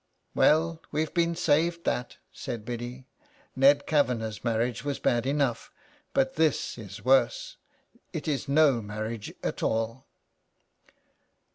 "Well, we've been saved that," said Biddy. " Ned Kavanagh's marriage was bad enough, but this is worse. It is no marriage at all.''